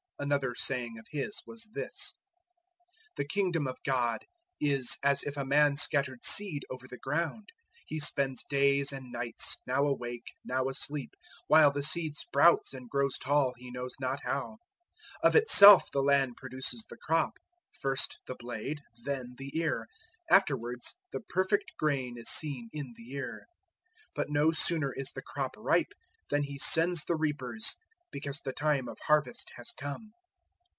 004:026 Another saying of His was this: "The Kingdom of God is as if a man scattered seed over the ground: 004:027 he spends days and nights, now awake, now asleep, while the seed sprouts and grows tall, he knows not how. 004:028 Of itself the land produces the crop first the blade, then the ear; afterwards the perfect grain is seen in the ear. 004:029 But no sooner is the crop ripe, than he sends the reapers, because the time of harvest has come."